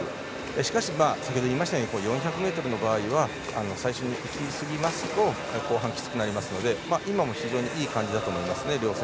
しかし先ほど言いましたように４００ｍの場合は最初にいきすぎますと後半、きつくなりますので両選手は今も非常にいい感じだと思います。